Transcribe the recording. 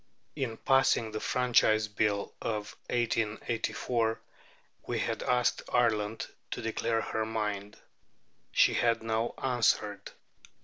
In passing the Franchise Bill of 1884, we had asked Ireland to declare her mind. She had now answered.